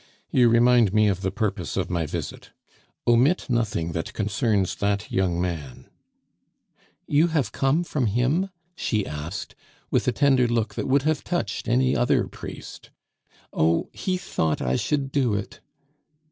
"You remind me of the purpose of my visit. Omit nothing that concerns that young man." "You have come from him?" she asked, with a tender look that would have touched any other priest! "Oh, he thought I should do it!"